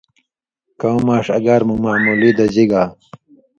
کؤں ماݜ اگار مہ معمولی دژی گا